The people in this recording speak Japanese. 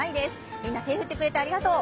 みんな手を振ってくれてありがとう。